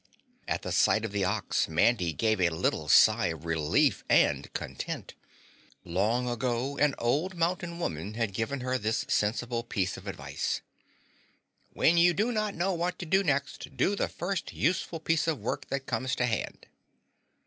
At sight of the ox, Mandy gave a little sigh of relief and content. Long ago an old mountain woman had given her this sensible piece of advice. "When you do not know what to do next, do the first useful piece of work that comes to hand."